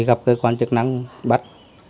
gặp cơ quan chức năng bắt